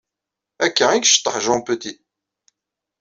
Akka i yecceṭaḥ Jean Petit.